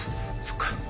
そっか。